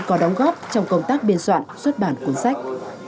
có đóng góp trong công tác biên soạn xuất bản cuốn sách